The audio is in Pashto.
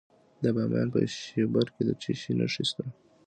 د بامیان په شیبر کې د څه شي نښې دي؟